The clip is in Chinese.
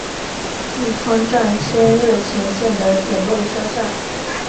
玉川站千日前线的铁路车站。